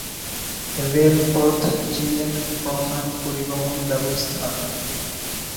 রেলপথ চীনের প্রধান পরিবহন ব্যবস্থা।